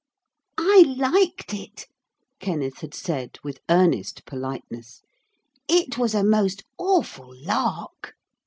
'I liked it,' Kenneth had said with earnest politeness, 'it was a most awful lark.'